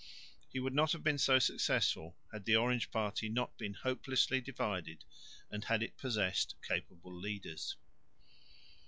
He would not have been so successful had the Orange party not been hopelessly divided and had it possessed capable leaders.